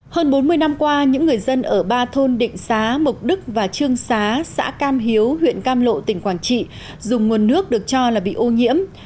hơn bốn mươi năm qua những người dân ở ba thôn định xá mộc đức và trương xá xã cam hiếu huyện cam lộ tỉnh quảng trị dùng nguồn nước được cho là bị ô nhiễm